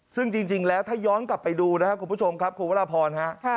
ซึ่งจริงแล้วถ้าย้อนกลับไปดูนะครับคุณผู้ชมครับคุณวรพรฮะ